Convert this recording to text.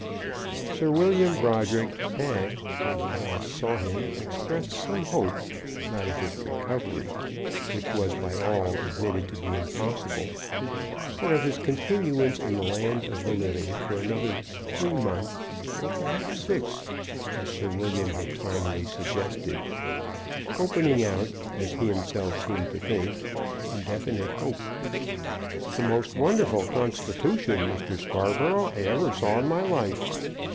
Sir William Brodrick had, when he last saw him, expressed some hope, not of his recovery, which was by all admitted to be impossible, but of his continuance in the land of the living for another three months, or perhaps six, as Sir William had finally suggested, opening out, as he himself seemed to think, indefinite hope. "The most wonderful constitution, Mr. Scarborough, I ever saw in my life.